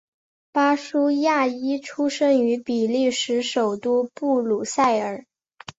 巴舒亚伊出生于比利时首都布鲁塞尔。